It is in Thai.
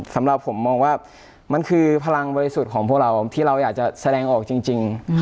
สำหรับผมมองว่ามันคือพลังบริสุทธิ์ของพวกเราที่เราอยากจะแสดงออกจริง